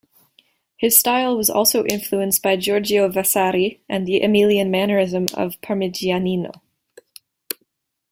His style was also influenced by Giorgio Vasari and the Emilian mannerism of Parmigianino.